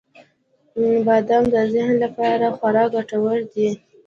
• بادام د ذهن لپاره خورا ګټور دی.